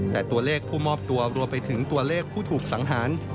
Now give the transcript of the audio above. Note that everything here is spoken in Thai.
แต่ตัวเลขผู้มอบตัวรวมไปถึงตัวเลขผู้ถูกสังหาร